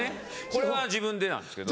これは自分でなんですけど。